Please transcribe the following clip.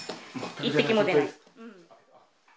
一滴も出ない。